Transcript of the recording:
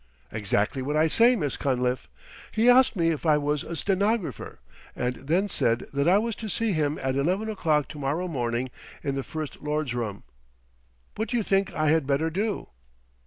"Exactly what I say, Miss Cunliffe. He asked me if I was a stenographer, and then said that I was to see him at eleven o'clock to morrow morning in the First Lord's room. What do you think I had better do?"